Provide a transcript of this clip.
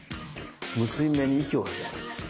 結び目に息をかけます。